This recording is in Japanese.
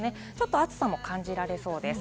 暑さも感じられそうです。